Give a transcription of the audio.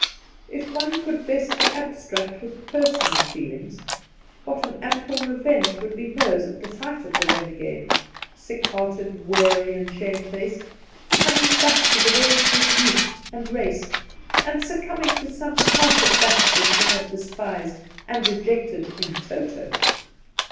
If one could vest the abstract with personal feelings, what an ample revenge would be hers at the sight of the renegade ^— sick hearted, weary, and shamefaced — coming back to the ways of his youth and race, and suc cumbing to some one part of that which he had despised and rejected in toto!'